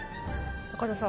高田さん